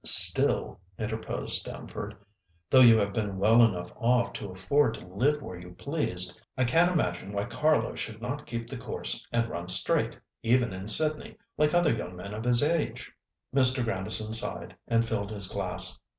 "Still," interposed Stamford, "though you have been well enough off to afford to live where you pleased, I can't imagine why Carlo should not keep the course and run straight, even in Sydney, like other young men of his age." Mr. Grandison sighed and filled his glass.